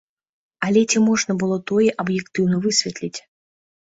Але ці можна было тое аб'ектыўна высветліць?